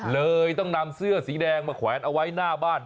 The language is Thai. เลยต้องนำเสื้อสีแดงมาแขวนเอาไว้หน้าบ้าน